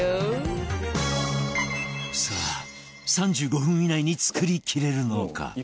さあ３５分以内に作りきれるのか？